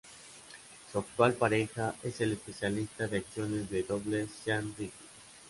Su actual pareja, es el especialista en acciones de dobles Sean Rigby.